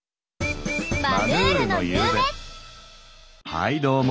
はいどうも。